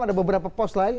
ada beberapa pos lain